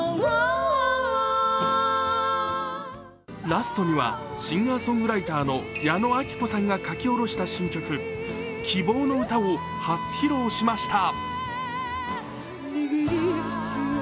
ラストにはシンガーソングライターの矢野顕子さんが書き下ろした新曲「希望のうた」を初披露しました。